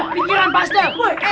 eh pindiran pas deh